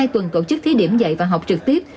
hai tuần tổ chức thí điểm dạy và học trực tiếp